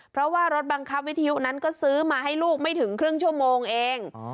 เพราะว่ารถบังคับวิทยุนั้นก็ซื้อมาให้ลูกไม่ถึงครึ่งชั่วโมงเอง